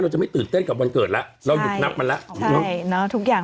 จะไม่ตื่นเต้นกับวันเกิดแล้วเราหยุดนับมันแล้วทุกอย่าง